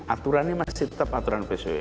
aturannya masih tetap aturan psbb